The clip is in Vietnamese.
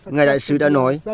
ngài đại sứ đã nói